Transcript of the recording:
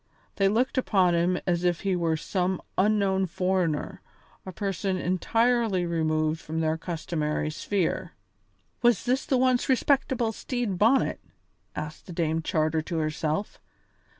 They looked upon him as if he were some unknown foreigner, a person entirely removed from their customary sphere. "Was this the once respectable Stede Bonnet?" asked Dame Charter to herself.